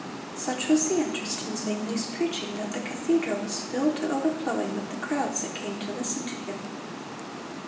(255) Such was the interest in Zwingle's preaching that the cathedral was filled to overflowing with the crowds that came to listen to him.